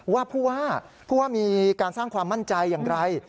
ว่าผู้ว่าผู้ว่ามีการสร้างความมั่นใจอย่างไร